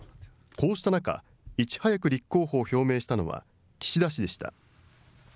こうした中、いち早く立候補を表明したのは岸田氏でした。